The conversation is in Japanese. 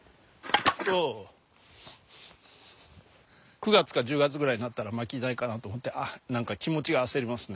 ９月か１０月ぐらいになったら薪ないかなあと思って何か気持ちが焦りますね。